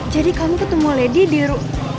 jadi kamu ketemu lady di ru